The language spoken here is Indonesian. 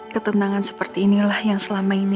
ketenangan seperti inilah yang selama ini